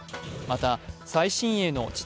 また、最新鋭の地